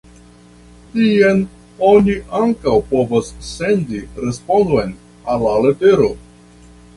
Tien oni ankaŭ povas sendi respondon al la letero.